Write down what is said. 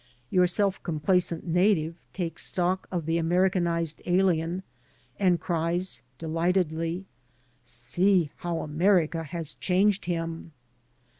Your self complacent native takes stock of the Americanized alien and cries, delightedly, "See how America has changed him!''